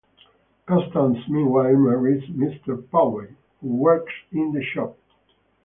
Constance meanwhile marries Mr Povey, who works in the shop.